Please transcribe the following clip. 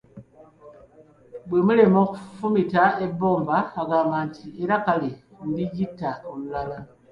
Bwe mulema okufumita n’ebomba agamba nti era kale ndigitta olulala.